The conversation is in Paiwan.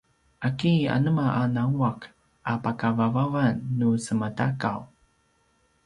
’aki anema a nangua’ a pakavavavan nu semaTakaw?